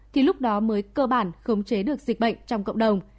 thì lúc đó mới cơ bản khống chế được dịch bệnh trong cộng đồng